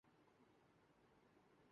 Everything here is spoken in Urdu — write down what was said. کیا آپ شادی شدہ ہو